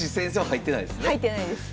入ってないです。